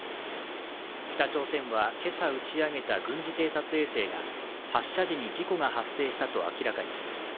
北朝鮮は今朝打ち上げた軍事偵察衛星が発射時に事故が発生したと明らかにしました。